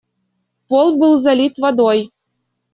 Пол был залит водой.